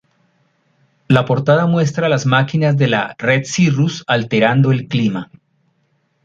La portada muestra las máquinas de la "red Cirrus" alterando el clima.